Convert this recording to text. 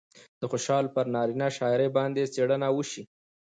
د خوشال پر نارينه شاعرۍ باندې څېړنه وشي